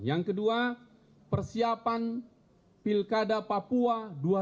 yang kedua persiapan pilkada papua dua ribu delapan belas